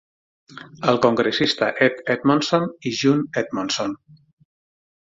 El congressista Ed Edmondson i June Edmondson.